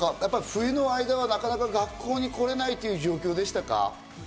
冬の間はなかなか学校に来れないという状況でしたか？